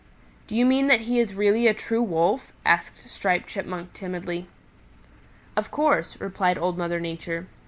"Do you mean that he is really a true Wolf?" asked Striped Chipmunk timidly. "Of course," replied Old Mother Nature.